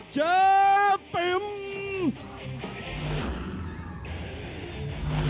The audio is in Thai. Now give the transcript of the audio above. และแพ้๒๐ไฟ